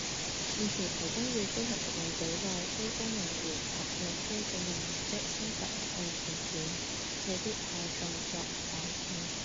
現時提供予飛行服務隊內非公務員合約機組人員的薪酬福利條件，未必可再作改善